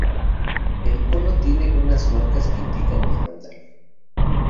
El cono tiene unas marcas que indican el caudal.